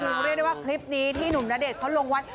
เรียกได้ว่าคลิปนี้ที่หนุ่มณเดชน์เขาลงไว้